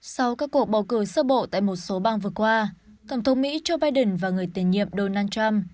sau các cuộc bầu cử sơ bộ tại một số bang vừa qua tổng thống mỹ joe biden và người tiền nhiệm donald trump